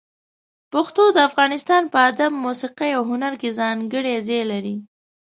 پښتو د افغانستان په ادب، موسيقي او هنر کې ځانګړی ځای لري.